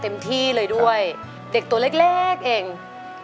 คุณแม่รู้สึกยังไงในตัวของกุ้งอิงบ้าง